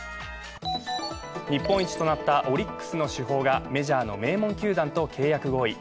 日本一となったオリックスの主砲がメジャーの名門球団と契約合意。